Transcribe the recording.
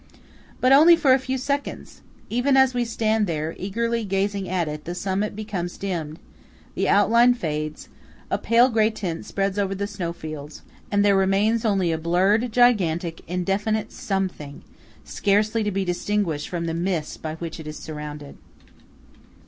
But only for a few seconds! Even as we stand there, eagerly gazing at it, the summit becomes dimmed; the outline fades; a pale grey tint spreads over the snowfields; and there remains only a blurred, gigantic, indefinite Something, scarcely to be distinguished from the mists by which it is surrounded.